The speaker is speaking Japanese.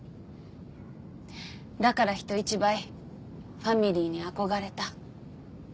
だから人一倍ファミリーに憧れた。